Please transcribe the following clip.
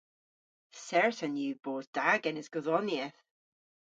Certan yw bos da genes godhonieth.